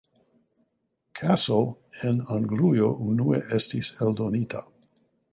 Cassell en Anglujo unue estis eldonita.